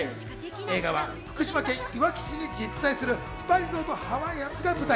映画は福島県いわき市に実在するスパリゾートハワイアンズが舞台。